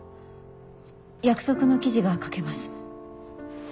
約束の記事が書けます。